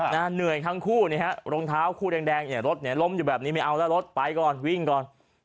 เหนื่อยทั้งคู่รองเท้าคู่แดงเนี่ยรถล้มอยู่แบบนี้ไม่เอาแล้วรถไปก่อนวิ่งก่อน